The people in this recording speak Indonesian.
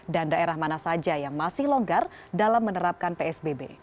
dan daerah mana saja yang masih longgar dalam menerapkan psbb